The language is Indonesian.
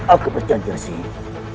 aku berjanji rasikuru